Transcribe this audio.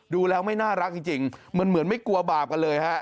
ดูแล้วไม่น่ารักจริงมันเหมือนไม่กลัวบาปกันเลยฮะ